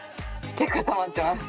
結構たまってます。